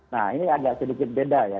nah ini agak sedikit beda ya